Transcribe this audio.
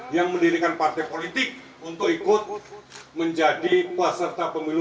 yang mendirikan partai politik untuk ikut menjadi peserta pemilu dua ribu dua puluh empat